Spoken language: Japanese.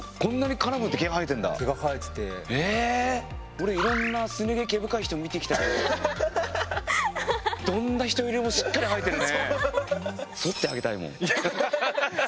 俺いろんなすね毛毛深い人見てきたけどどんな人よりもしっかり生えてるね。